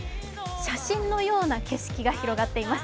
写真のような景色が広がっています。